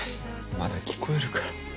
まだ聞こえるから。